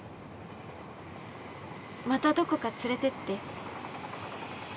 またどこか連れてって。